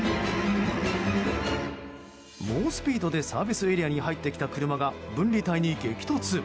猛スピードでサービスエリアに入ってきた車が分離帯に激突。